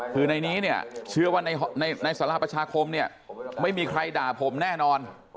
คือในนี้เชื่อว่าในศาลาประชาคมไม่มีใครด่าผมแน่นอน